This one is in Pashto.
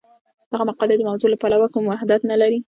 دغه مقالې د موضوع له پلوه کوم وحدت نه لري.